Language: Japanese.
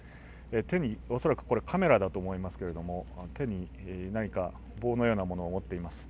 手に、恐らくカメラだと思いますけれども、手に何か棒のようなものを持っています。